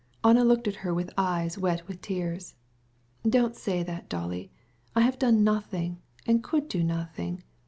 Anna looked at her with eyes wet with tears. "Don't say that, Dolly. I've done nothing, and could do nothing.